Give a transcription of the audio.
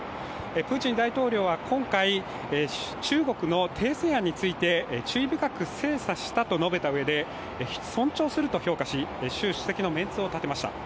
プーチン大統領は今回、中国の停戦案について注意深く精査したと述べたうえで尊重すると評価し、習主席のメンツを立てました。